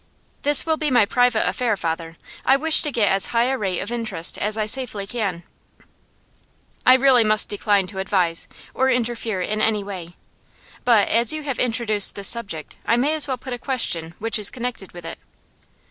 'This will be my private affair, father. I wish to get as high a rate of interest as I safely can.' 'I really must decline to advise, or interfere in any way. But, as you have introduced this subject, I may as well put a question which is connected with it.